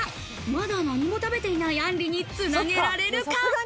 まだ何も食べていないあんりに、つなげられるか？